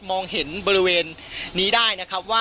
มองเห็นบริเวณนี้ได้นะครับว่า